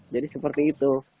jadi seperti itu